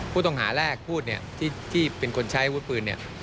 ผู้ต้องหาแรกพูดที่เป็นคนใช้วุฒิปืน